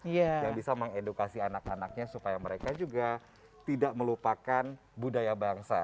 yang bisa mengedukasi anak anaknya supaya mereka juga tidak melupakan budaya bangsa